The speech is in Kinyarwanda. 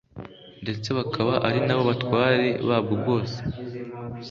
ndetse bakaba ari na bo batware babwo bwose.